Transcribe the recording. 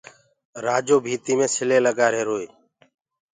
رآجو ڀيٚتيٚ مي سلينٚ لگآهيروئو